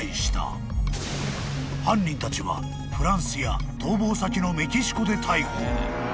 ［犯人たちはフランスや逃亡先のメキシコで逮捕］